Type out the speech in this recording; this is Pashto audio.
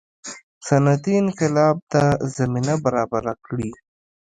صنعتي انقلاب ته زمینه برابره کړي.